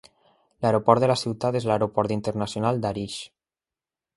L'aeroport de la ciutat és l'Aeroport Internacional d'Arish.